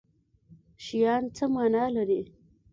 شیان څه معنی لري